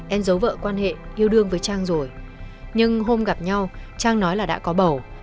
em giấu vợ quan hệ yêu đương với trang rồi nhưng hôm gặp nhau trang nói là đã có bầu